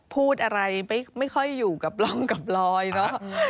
พูดอะไรไม่ค่อยอยู่กับร่องกับรอยเนอะ